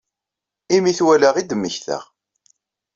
Imi i t-walaɣ i d-mmektaɣ.